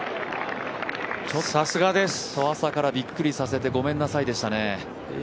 朝からびっくりさせてごめんなさいでしたね。